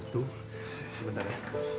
tuh sebentar ya